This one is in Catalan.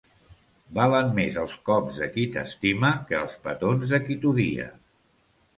Valen més els cops de qui t'estima que els petons de qui t'odia.